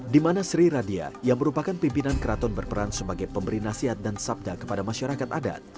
di mana sri radia yang merupakan pimpinan keraton berperan sebagai pemberi nasihat dan sabda kepada masyarakat adat